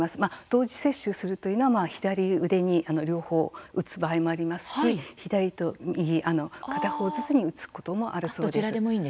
同時接種するというのは左腕に両方打つ場合もありますし左と右、片方ずつに打つこともあるそうです。